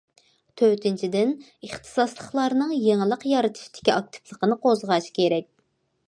تۆتىنچىدىن، ئىختىساسلىقلارنىڭ يېڭىلىق يارىتىشتىكى ئاكتىپلىقىنى قوزغاش كېرەك.